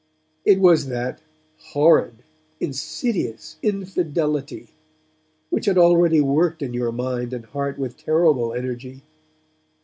It was that horrid, insidious infidelity, which had already worked in your mind and heart with terrible energy.